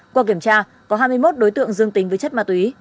qua kiểm tra có hai mươi một đối tượng dương tính với chất ma túy